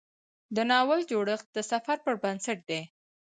د ناول جوړښت د سفر پر بنسټ دی.